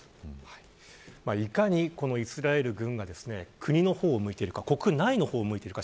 いかにイスラエル軍が国の方を向いているか国内の方を向いているのか。